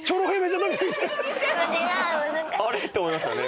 あれって思いましたね